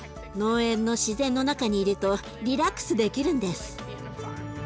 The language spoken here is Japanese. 農園の自然の中にいるとリラックスできるんです。